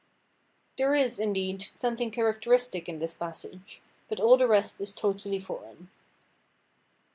There is, indeed, something characteristic in this passage, but all the rest is totally foreign.